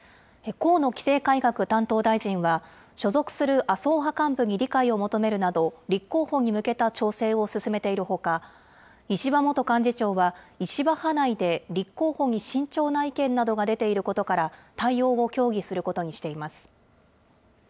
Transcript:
河野規制改革担当大臣は、所属する麻生派幹部に理解を求めるなど、立候補に向けた調整を進めているほか、石破元幹事長は、石破派内で立候補に慎重な意見などが出ていることから、対応を協議することにしています。